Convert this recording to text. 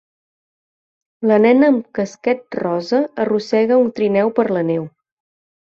La nena amb casquet rosa arrossega un trineu per la neu.